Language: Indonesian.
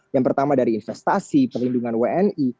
yang pertama dari investasi perlindungan wni